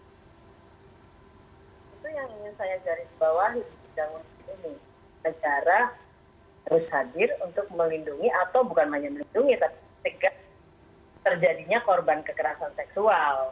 itu yang ingin saya jelaskan di bawah di bidang ini negara harus hadir untuk melindungi atau bukan hanya melindungi tapi segera terjadinya korban kekerasan seksual